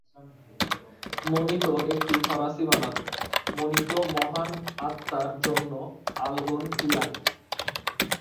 'মোনিতো' একটি ফরাসি বানান "মোনিতো", মহান আত্মার জন্য আলগোনকুইয়ান।